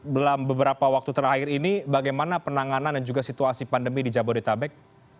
dalam beberapa waktu terakhir ini bagaimana penanganan dan juga situasi pandemi di jabodetabek